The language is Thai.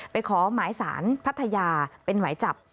ขอหมายสารพัทยาเป็นหมายจับ